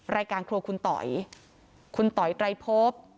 รายการครัวคุณต๋อยคุณต๋อยไตรพบ